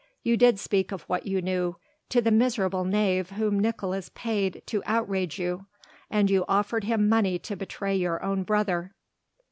You did speak of what you knew ... to the miserable knave whom Nicolaes paid to outrage you ... and you offered him money to betray your own brother."